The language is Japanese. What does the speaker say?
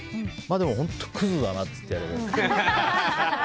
でも、本当にクズだなって言ってやればいい。